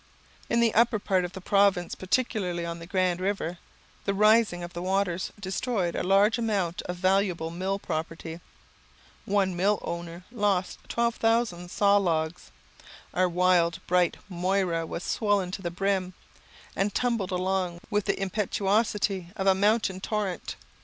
In the upper part of the province, particularly on the grand river, the rising of the waters destroyed a large amount of valuable mill property. One mill owner lost 12,000 saw logs. Our wild, bright Moira was swollen to the brim, and tumbled along with the impetuosity of a mountain torrent.